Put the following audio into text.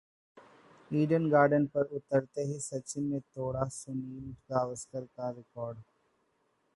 Eden Gardens पर उतरते ही सचिन ने तोड़ा सुनील गावस्कर का रिकार्ड